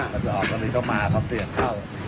เขาจะออกตอนนี้เขามาเขาเสี่ยงเข้า